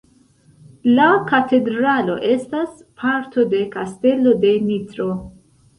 La katedralo estas parto de Kastelo de Nitro.